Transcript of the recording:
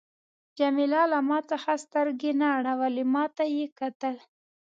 جميله له ما څخه سترګې نه اړولې، ما ته یې کتل.